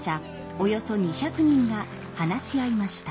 およそ２００人が話し合いました。